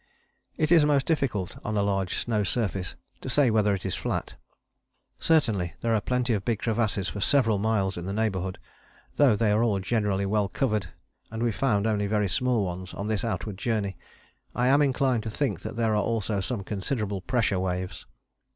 It is most difficult on a large snow surface to say whether it is flat. Certainly there are plenty of big crevasses for several miles in this neighbourhood, though they are generally well covered, and we found only very small ones on this outward journey. I am inclined to think there are also some considerable pressure waves.